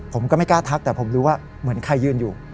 ผมก็ไม่กล้าทักแต่ผมรู้ว่าเหมือนใครยืนอยู่